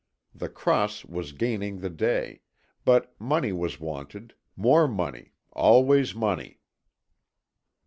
The Cross was gaining the day; but money was wanted, more money, always money.